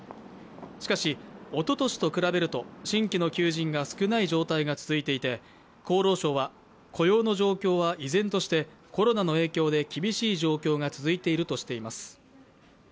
しかし、おととしと比べると新規の求人が少ない状態が続いていて、厚労省は雇用の状況は依然としてコロナの影響で厳しい状況が続いているとしています。